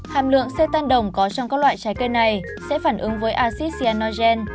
hàm lượng xê tan đồng có trong các loại trái cây này sẽ phản ứng với acid cyanogen